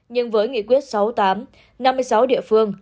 nhưng với nghị quyết sáu mươi tám năm mươi sáu địa phương